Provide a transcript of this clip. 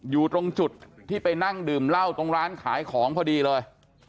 อยู่ตรงจุดที่ไปนั่งดื่มเหล้าตรงร้านขายของพอดีเลย